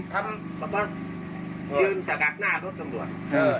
ยืนสกัดหน้าทดตำรวจ